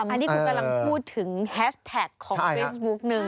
อันนี้คือกำลังพูดถึงแฮชแท็กของเฟซบุ๊กหนึ่ง